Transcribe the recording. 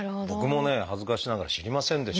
僕もね恥ずかしながら知りませんでした。